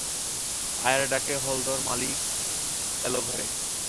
আয়ার ডাকে হলধর মালী এল ঘরে।